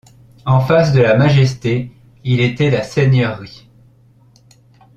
En face de la majesté, il était la seigneurie.